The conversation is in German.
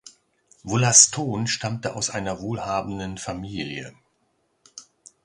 Wollaston stammte aus einer wohlhabenden Familie.